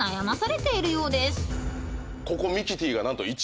ここミキティが何と１。